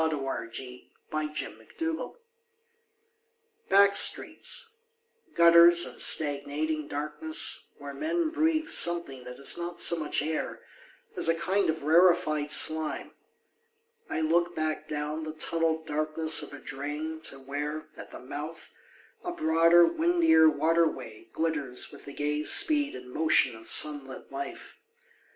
Back Streets 41 BACK STREETS BACK streets, gutters of stagnating darkness where men breath something that is not so much air as a kind of rarefied sHme. ... I look back down the tunnelled darkness of a drain to where, at the mouth, a broader, windier water way glitters with the gay speed and motion of sunlit life.